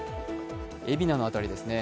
海老名の辺りですね。